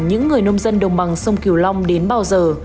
những người nông dân đồng bằng sông kiều long đến bao giờ